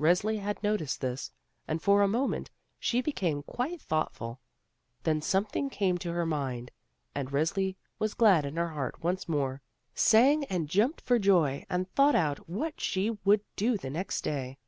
Resli had noticed this, and for a moment she became quite thoughtfxil. Then something came to her mind, and Resli was glad in her heart once more, sang and jumped for joy and thought out what she would do the next day.